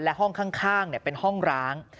และห้องข้างเป็นห้องร้าง